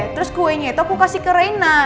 terus kuenya itu aku kasih ke reina